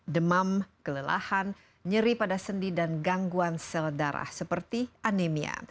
demam kelelahan nyeri pada sendi dan gangguan sel darah seperti anemia